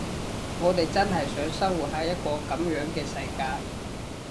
我哋真係想生活喺一個噉樣嘅世界？